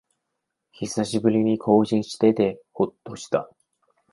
久しぶりに更新しててほっとした